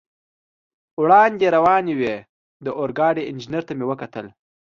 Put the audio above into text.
وړاندې روانې وې، د اورګاډي انجنیر ته مې وکتل.